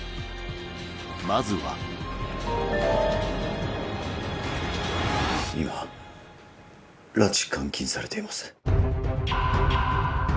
まずは今拉致監禁されています。